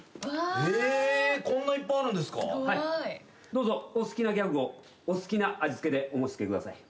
どうぞお好きなギャグをお好きな味付けでお申し付けください。